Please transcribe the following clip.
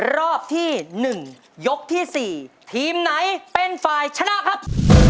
รอบที่๑ยกที่๔ทีมไหนเป็นฝ่ายชนะครับ